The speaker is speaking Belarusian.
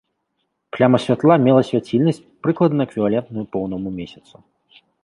Пляма святла мела свяцільнасць, прыкладна эквівалентную поўнаму месяцу.